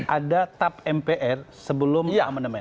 ada tap mpr sebelum amandemen